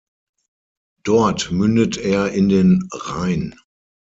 Dort mündet er in den Rhein.